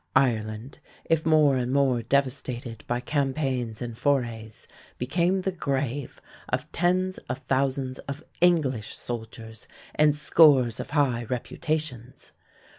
Ireland, if more and more devastated by campaigns and forays, became the grave of tens of thousands of English soldiers and scores of high reputations.